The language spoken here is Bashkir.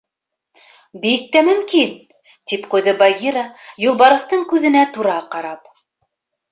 — Бик тә мөмкин, — тип ҡуйҙы Багира, юлбарыҫтың күҙенә тура ҡарап.